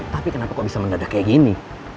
tapi kenapa kok bisa mendadak kayak gini